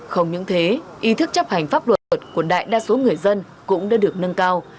không những thế ý thức chấp hành pháp luật của đại đa số người dân cũng đã được nâng cao